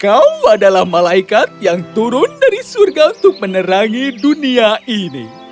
kau adalah malaikat yang turun dari surga untuk menerangi dunia ini